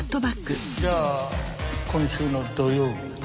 じゃあ今週の土曜日に。